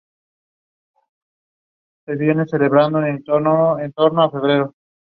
Esto representó una alegoría al papel, una de las invenciones chinas.